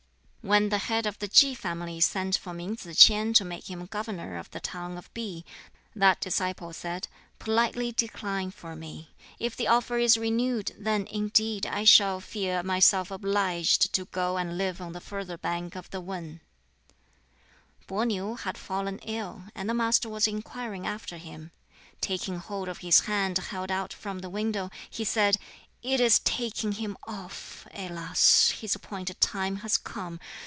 When the head of the Ki family sent for Min Tsz k'ien to make him governor of the town of Pi, that disciple said, "Politely decline for me. If the offer is renewed, then indeed I shall feel myself obliged to go and live on the further bank of the Wan." Peh niu had fallen ill, and the Master was inquiring after him. Taking hold of his hand held out from the window, he said, "It is taking him off! Alas, his appointed time has come!